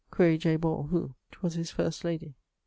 ] Quaere J. Ball, who? 'Twas his first lady.